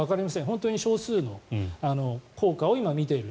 本当に少数の効果を今見ている。